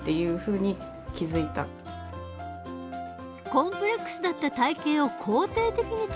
コンプレックスだった体型を肯定的に捉える。